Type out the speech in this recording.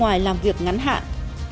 ngoài làm việc ngắn hạn